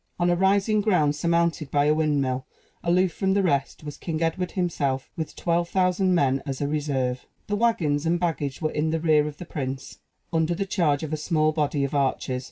On a rising ground, surmounted by a windmill, aloof from the rest, was King Edward himself, with 12,000 men, as a reserve. The wagons and baggage were in the rear of the prince, under the charge of a small body of archers.